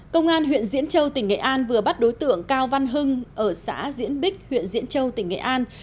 công an huyện diễn châu tỉnh nghệ an vừa bắt đối tượng cao văn hưng ở xã diễn bích huyện diễn châu tỉnh nghệ an